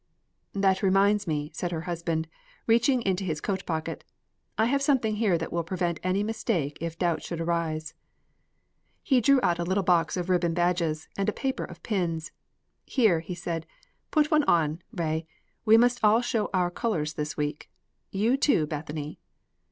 "That reminds me," said her husband, reaching into his coat pocket, "I have something here that will prevent any mistake if doubt should arise." He drew out a little box of ribbon badges and a paper of pins. "Here," he said, "put one on, Ray; we must all show our colors this week. You, too, Bethany."